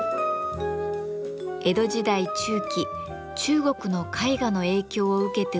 江戸時代中期中国の絵画の影響を受けて生まれた文人画。